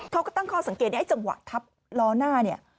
เขาก็ตั้งข้อสังเกตไอ้จังหวะทับล้อหน้าเนี่ย